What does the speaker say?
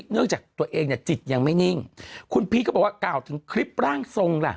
เนื่องจากตัวเองเนี่ยจิตยังไม่นิ่งคุณพีชก็บอกว่ากล่าวถึงคลิปร่างทรงล่ะ